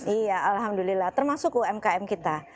iya alhamdulillah termasuk umkm kita